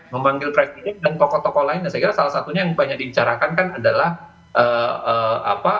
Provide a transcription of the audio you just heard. memanggil presiden dan tokoh tokoh lain dan saya kira salah satunya yang banyak dibicarakan kan adalah apa